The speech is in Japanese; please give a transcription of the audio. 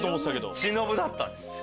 しのぶだったんですよ。